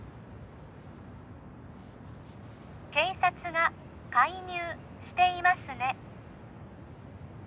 警察が介入していますね